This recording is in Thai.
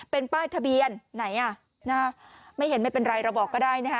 เป็นป้ายทะเบียนไหนอ่ะนะฮะไม่เห็นไม่เป็นไรเราบอกก็ได้นะฮะ